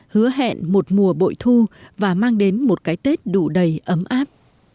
hứa hẹn một mùa bội thu và mang đến một cái tết đủ đầy ấm áp